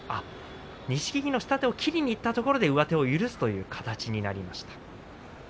錦木の下手を切りにいったところで、上手を許すという形になりました。